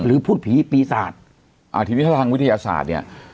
หรือพูดผีปีศาสตร์อาทิตย์วิทยาศาสตร์เนี้ย